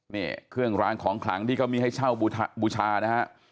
นี่เครื่องรางของขลังที่เขามีให้เช่าบูชานะฮะ